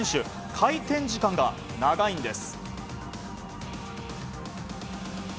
回転時間が長いんです。